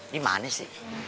di mana sih